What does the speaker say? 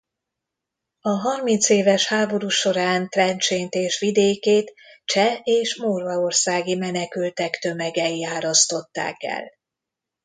A harmincéves háború során Trencsént és vidékét cseh és morvaországi menekültek tömegei árasztották el.